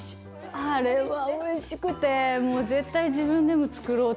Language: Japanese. あれはおいしくてもう絶対自分でも作ろうと思いました。